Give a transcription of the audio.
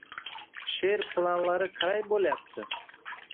She’r planlari qalay bo‘layapti?